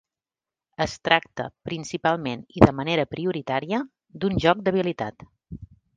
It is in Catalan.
Es tracta principalment i de manera prioritària d'un joc d'habilitat.